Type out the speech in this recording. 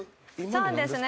そうですね。